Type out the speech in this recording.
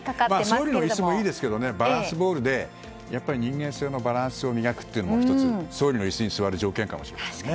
総理の椅子もいいですけどバランスボールで人間性のバランスを磨くのも１つ、総理の椅子に座る条件かもしれないですね。